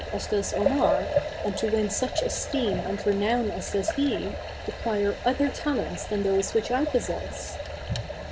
as does Omar, and to win such esteem and renown as does he, require other talents than those which I possess."